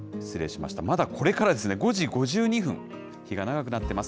まだこれからですね、５時５２分、日が長くなってます。